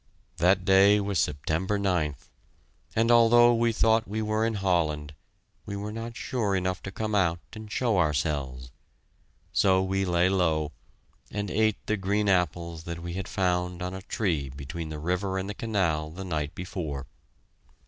That day was September 9th, and although we thought we were in Holland, we were not sure enough to come out and show ourselves. So we lay low, and ate the green apples that we had found on a tree between the river and the canal the night before.